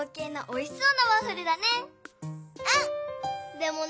でもね